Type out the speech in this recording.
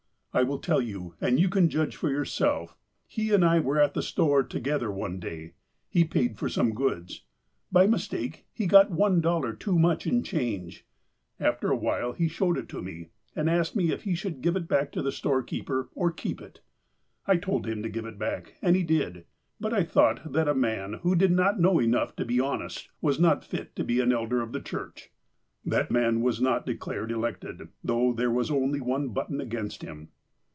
" "I will tell you, and you can judge for yourself. He and I were at the store together one day. He paid for some goods. By mistake he got one dollar too much in change. After a while he showed it to me, and asked me if he should give it back to the storekeeper, or keep it. I told him to give it back. And he did. But I thought that a man, who did not know enough to be honest, was not fit to be an elder of the church." That man was not declared elected, though there was only one button against him.